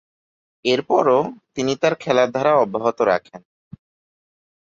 এরপরও তিনি তার খেলার ধারা অব্যাহত রাখেন।